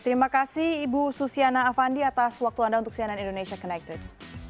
terima kasih ibu susiana avandi atas waktu anda untuk cnn indonesia connected